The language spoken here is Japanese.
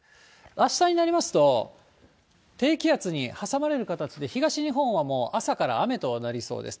あしたになりますと、低気圧に挟まれる形で、東日本はもう朝から雨となりそうです。